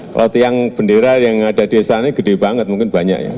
kalau tiang bendera yang ada di sana gede banget mungkin banyak ya